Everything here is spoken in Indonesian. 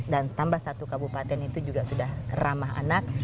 tambah satu kabupaten itu juga sudah ramah anak